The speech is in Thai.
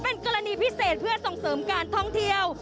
เป็นกรณีพิเศษเพื่อส่งเสริมการท่องเที่ยว